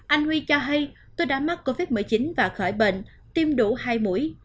anh huy cho hay tôi đã mắc covid một mươi chín và khỏi bệnh tiêm đủ hai mũi